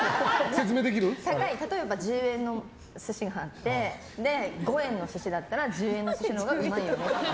例えば１０円の寿司があって５円の寿司だったら１０円の寿司のほうがうまいと思ってる。